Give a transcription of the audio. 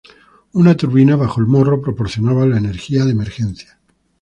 Una turbina, bajo el morro, proporcionaba la energía de emergencia.